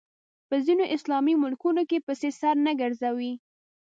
په ځینو اسلامي ملکونو کې پسې سر نه ګرځوي